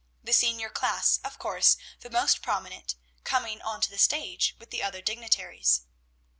The senior class, of course the most prominent, coming onto the stage with the other dignitaries.